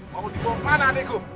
mau dibawa kemana adekku